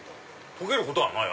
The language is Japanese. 溶けることはない？